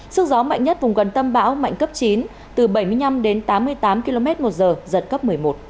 sức gió mạnh nhất vùng gần tâm bão mạnh cấp chín từ bảy mươi năm đến tám mươi tám km một giờ giật cấp một mươi một